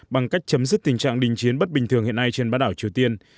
bằng cách chấm dứt tình trạng đình chiến bất bình thường hiện nay trên bãi đảo triều tiên